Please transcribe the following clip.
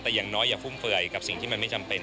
แต่อย่างน้อยอย่าฟุ่มเฟื่อยกับสิ่งที่มันไม่จำเป็น